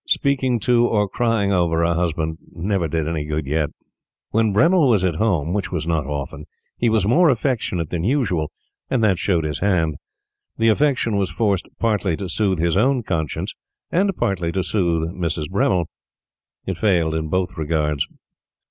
Speaking to, or crying over, a husband never did any good yet. When Bremmil was at home, which was not often, he was more affectionate than usual; and that showed his hand. The affection was forced partly to soothe his own conscience and partly to soothe Mrs. Bremmil. It failed in both regards.